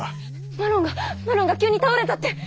マロンがマロンが急に倒れたって。